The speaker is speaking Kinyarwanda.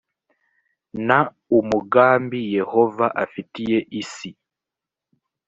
n umugambi yehova afitiye isi